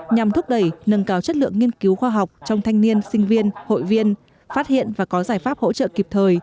nhằm thúc đẩy nâng cao chất lượng nghiên cứu khoa học trong thanh niên sinh viên hội viên phát hiện và có giải pháp hỗ trợ kịp thời